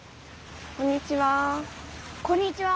こんにちは。